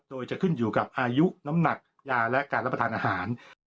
โดยจะขึ้นอยู่กับอายุน้ำหนักยาและการรับประทานอาหาร